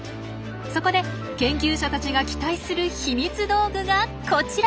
そこで研究者たちが期待する秘密道具がこちら！